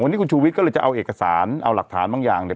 วันนี้คุณชูวิทย์ก็เลยจะเอาเอกสารเอาหลักฐานบางอย่างเนี่ย